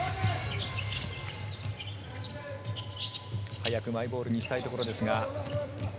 早くマイボールにしたいところですが。